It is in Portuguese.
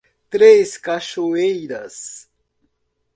Três Cachoeiras